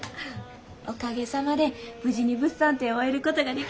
おかげさまで無事に物産展を終えることができました。